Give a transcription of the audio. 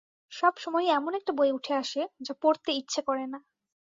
সব সময়ই এমন একটা বই উঠে আসে, যা পড়তে ইচ্ছে করে না।